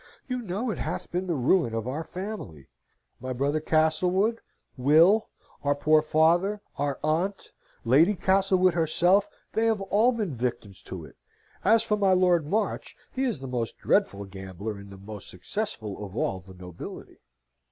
"You know it hath been the ruin of our family. My brother Castlewood, Will, our poor father, our aunt, Lady Castlewood herself, they have all been victims to it: as for my Lord March, he is the most dreadful gambler and the most successful of all the nobility."